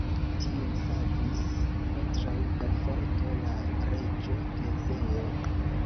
Tiun savis kontraŭ perforto la reĝo Tezeo.